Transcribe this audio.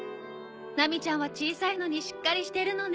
ナミちゃんは小さいのにしっかりしてるのね。